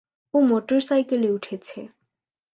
ও মোটরসাইকেলে উঠেছে।